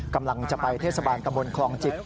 กำลังจะไปเทศบาลตะบนคลองจิก